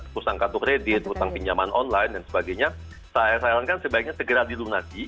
utang kartu kredit utang pinjaman online dan sebagainya saya sarankan sebaiknya segera dilunasi